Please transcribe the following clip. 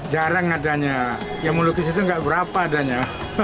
jarang adanya yang melukis itu nggak berapa adanya